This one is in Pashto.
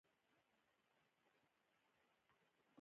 د پارلمان استازو ته باید امتیازات وټاکل شي.